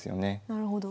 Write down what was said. なるほど。